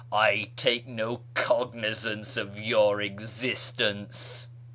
I take no cognisance of your existence."